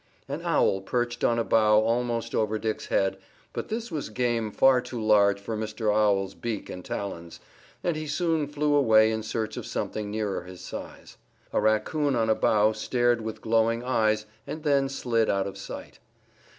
An owl perched on a bough almost over Dick's head, but this was game far too large for Mr. Owl's beak and talons, and he soon flew away in search of something nearer his size. A raccoon on a bough stared with glowing eyes and then slid out of sight.